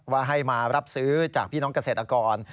ว่าให้มารับซื้อจากพี่น้องเกษตรกร